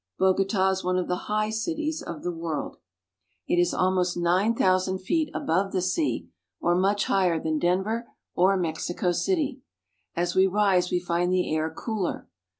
Bogota is one of the high cities of the world. It is Cargo Boat. 36 COLOMBIA. almost nine thousand feet above the se.i, or much higher than Denver or Mexico city. As we rise we find the air cooler.